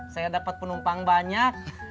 saya dapat penumpang banyak